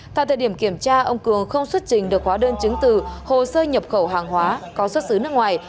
tại thời điểm kiểm tra ông cường không xuất trình được hóa đơn chứng từ hồ sơ nhập khẩu hàng hóa có xuất xứ nước ngoài